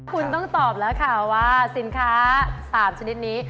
คุณต้องตอบแล้วค่ะว่าสินค้า๓ชนิดนี้